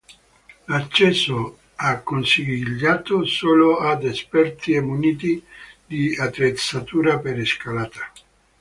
L'accesso e consigliato solo ad esperti e muniti di attrezzatura per scalata.